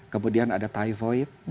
kemudian ada typhoid